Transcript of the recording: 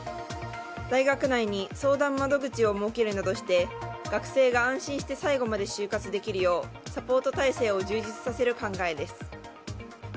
大学内に相談窓口を設けるなどして学生が安心して最後まで就活できるようサポート体制を充実させる考えです。